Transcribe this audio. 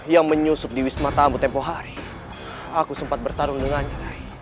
yang menyusup di wisma tamu tempoh hari aku sempat bertarung dengan dia